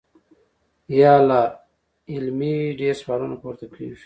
يا لا علمۍ ډېر سوالونه پورته کيږي -